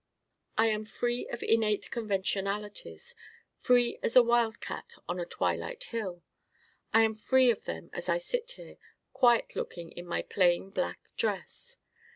I am free of innate conventionalities, free as a wildcat on a twilight hill. I am free of them as I sit here, quiet looking in my plain black dress.